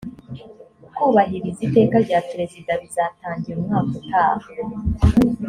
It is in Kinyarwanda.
kubahiriza iteka rya perezida bizatangira umwaka utaha